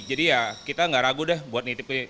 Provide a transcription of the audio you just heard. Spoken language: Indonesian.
jadi ya kita gak ragu deh buat nitip ini